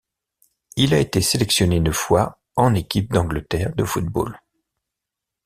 Il a été sélectionné une fois en équipe d'Angleterre de football.